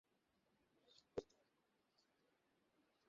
এ সংসার বড়ই কঠিন স্থান।